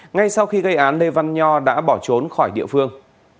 ngay sau khi gây án lê văn nho đã bỏ trốn khỏi địa phương